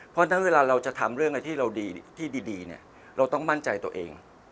เพราะฉะนั้นเวลาเราจะทำเรื่องอะไรที่เราดีที่ดีเนี่ยเราต้องมั่นใจตัวเอง